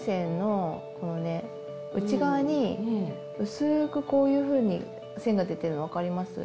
薄くこういうふうに線が出てるの分かります？